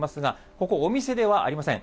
ここ、お店ではありません。